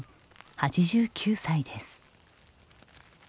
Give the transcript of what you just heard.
８９歳です。